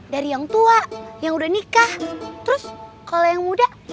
dari yang tua yang udah nikah terus kalau yang muda